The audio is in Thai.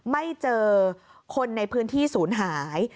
ไม่เจอคนในพื้นที่ศูนย์หาย